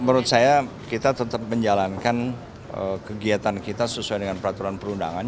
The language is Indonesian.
menurut saya kita tetap menjalankan kegiatan kita sesuai dengan peraturan perundangan